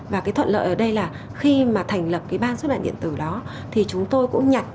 và cái thuận lợi ở đây là khi mà thành lập cái ban xuất bản điện tử đó thì chúng tôi cũng nhặt